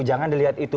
jangan dilihat itu